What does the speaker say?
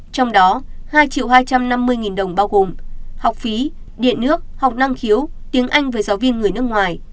trong đó hai hai trăm năm mươi đồng bao gồm học phí điện nước học năng khiếu tiếng anh với giáo viên người nước ngoài